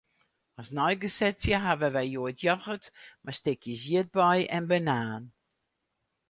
As neigesetsje hawwe wy hjoed yochert mei stikjes ierdbei en banaan.